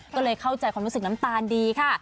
ก็เลยเข้าใจความรู้สึกน้ำตาลดีค่ะ